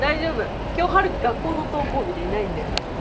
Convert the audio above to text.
今日春樹学校の登校日でいないんだよね。